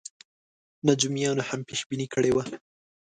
نجومیانو هم پېش بیني کړې وه.